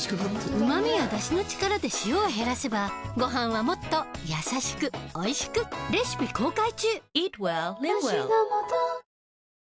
うま味やだしの力で塩を減らせばごはんはもっとやさしくおいしくはい。